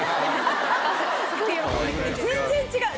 全然違う。